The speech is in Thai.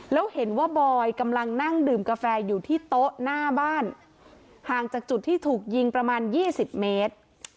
แล้วเห็นว่าบอยกำลังนั่งดื่มกาแฟอยู่ที่โต๊ะหน้าบ้านห่างจากจุดที่ถูกยิงประมาณ๒๐เมตร